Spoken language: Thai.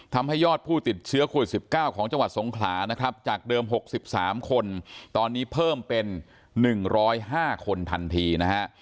ทำให้ยอดผู้ติดเชื้อโควิด๑๙ของจังหวัดสงขลานะครับจากเดิม๖๓คนตอนนี้เพิ่มเป็น๑๐๕คนทันทีนะฮะ